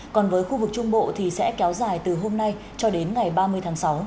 còn với khu vực trung bộ thì sẽ kéo dài từ hôm nay cho đến ngày ba mươi tháng sáu